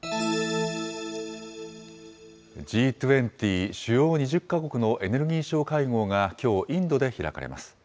Ｇ２０・主要２０か国のエネルギー相会合がきょう、インドで開かれます。